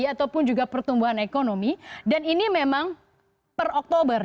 ataupun juga pertumbuhan ekonomi dan ini memang per oktober